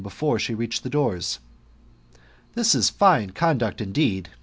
before she reached the doors. " This is fine conduct, indeed